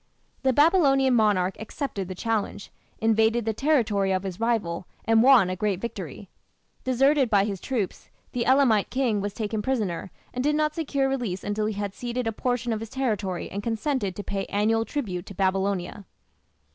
The Babylonian monarch accepted the challenge, invaded the territory of his rival, and won a great victory. Deserted by his troops, the Elamite king was taken prisoner, and did not secure release until he had ceded a portion of his territory and consented to pay annual tribute to Babylonia.